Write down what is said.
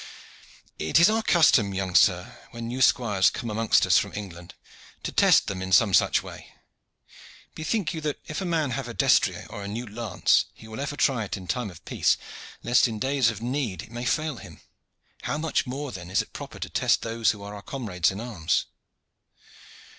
"It is our custom, young sir, when new squires come amongst us from England, to test them in some such way. Bethink you that if a man have a destrier or a new lance he will ever try it in time of peace, lest in days of need it may fail him. How much more then is it proper to test those who are our comrades in arms."